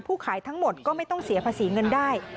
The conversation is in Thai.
ขายทั้งหมดก็ไม่ต้องเสียภาษีเงินได้